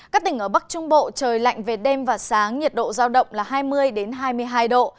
các tỉnh ở bắc trung bộ trời lạnh về đêm và sáng nhiệt độ giao động là hai mươi hai mươi hai độ